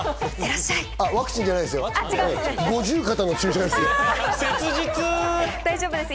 ワクチンじゃないですよ。